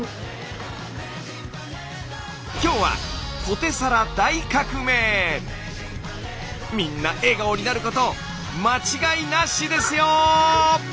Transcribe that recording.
今日はみんな笑顔になること間違いなしですよ！